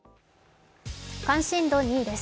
関心度に位です。